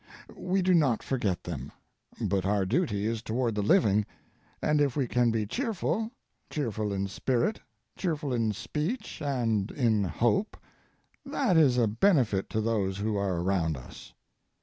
We do not forget them; but our duty is toward the living; and if we can be cheerful, cheerful in spirit, cheerful in speech and in hope, that is a benefit to those who are around us.